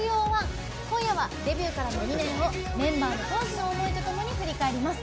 今夜はデビューからの２年をメンバーの当時の思い出とともに振り返ります。